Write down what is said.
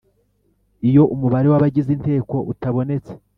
Iyo umubare w abagize Inteko utabonetse